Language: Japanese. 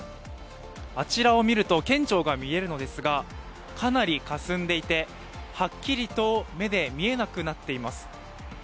あちらを見ると県庁が見えるのですがかなりかすんでいて、はっきりと目で見えなくなっています。